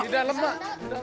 di dalam nak